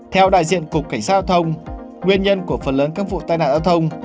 theo đại diện cục cảnh sát giao thông nguyên nhân của phần lớn các vụ tai nạn giao thông